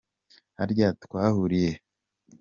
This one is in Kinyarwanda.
Harya twahuriye he?